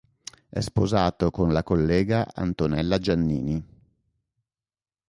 È sposato con la collega Antonella Giannini.